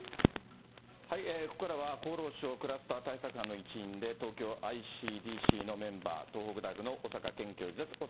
ここからは厚労省クラスター対策班の一員で、東京ｉＣＤＣのメンバー、東北大学の小坂健教授です。